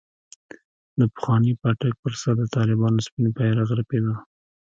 د پخواني پاټک پر سر د طالبانو سپين بيرغ رپېده.